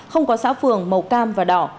không có xã phường màu cam và đỏ